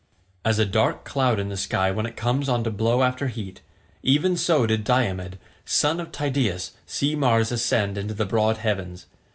As a dark cloud in the sky when it comes on to blow after heat, even so did Diomed son of Tydeus see Mars ascend into the broad heavens.